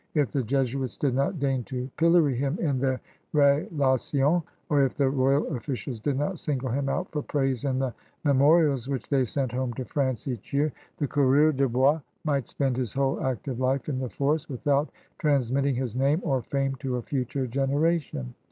If the Jesuits did not deign to pillory him in their Rilations, or if the royal offi cials did not single him out for praise in the memo riab which they sent home to France each year, the coureur de bois might spend his whole active life in the forest without transmitting his name or fame to a future generation.